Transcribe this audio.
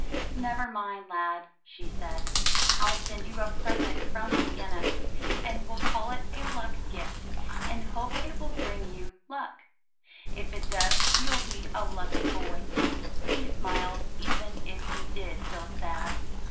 Never mind, lad, she said. "FU send you a present from Vienna, and well call it a *luck gift* and hope it will bring good luck. If it does you'll be a lucky boy. He smiled even if he did feel sad.